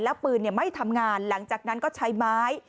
แล้วปืนไม่ทำงานหลังจากนั้นก็ใช้ไม้